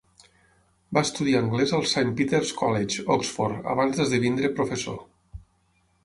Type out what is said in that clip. Va estudiar anglès al Saint Peter's College, Oxford, abans d'esdevindre professor.